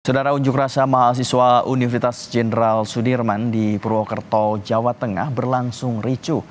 saudara unjuk rasa mahasiswa universitas jenderal sudirman di purwokerto jawa tengah berlangsung ricu